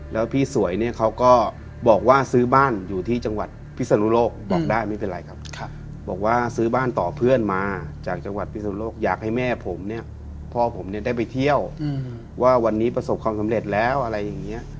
แล้วพี่สวยเนี่ยเขาก็บอกว่าซื้อบ้านอยู่ที่จังหวัดพิศนุโลกบอกได้ไม่เป็นไรครับบอกว่าซื้อบ้านต่อเพื่อนมาจากจังหวัดพิศนุโลกอยากให้แม่ผมเนี่ยพ่อผมเนี่ยได้ไปเที่ยวว่าวันนี้ประสบความสำเร็จแล้วอะไรอย่างนี้